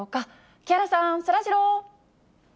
木原さん、そらジロー。